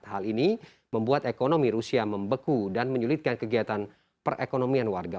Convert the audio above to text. hal ini membuat ekonomi rusia membeku dan menyulitkan kegiatan perekonomian warga